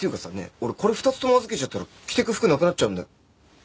俺これ２つとも預けちゃったら着ていく服なくなっちゃうんだよ。